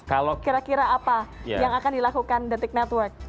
kira kira apa yang akan dilakukan detik network